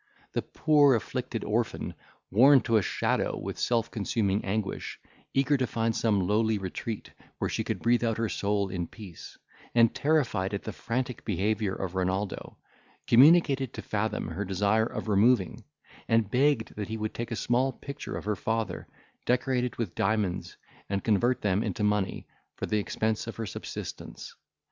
The poor afflicted orphan, worn to a shadow with self consuming anguish, eager to find some lowly retreat, where she could breath out her soul in peace, and terrified at the frantic behaviour of Renaldo, communicated to Fathom her desire of removing, and begged that he would take a small picture of her father, decorated with diamonds, and convert them into money, for the expense of her subsistence.